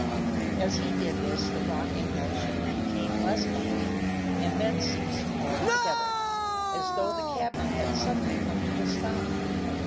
As he did this the rocking motion became less violent, and then ceased altogether, as though the cabman had suddenly come to a stop.